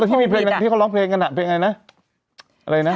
แล้วที่มีเพลงนั้นที่เขาร้องเพลงกันนะเพลงไหนนะ